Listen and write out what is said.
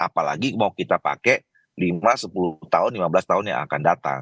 apalagi mau kita pakai lima sepuluh tahun lima belas tahun yang akan datang